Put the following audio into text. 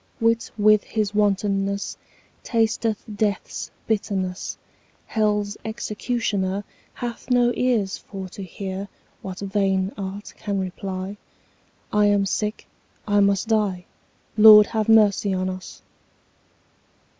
Wit with his wantonness Tasteth death's bitterness; 30 Hell's executioner Hath no ears for to hear What vain art can reply; I am sick, I must die— Lord, have mercy on us!